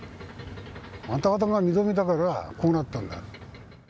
あんた方が認めたから、こうなったんだって。